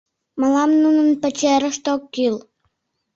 Мылам нунын пачерышт ок кӱл.